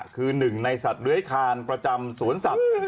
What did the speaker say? คือหนึ่งในสัตว์เลื้อยคานประจำสวนสัตว์